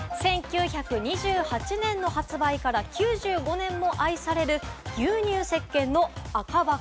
１９２８年の発売から９５年も愛される、牛乳石鹸の赤箱。